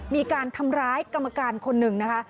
มีการทำร้ายกรรมการคนหนึ่งนะคะ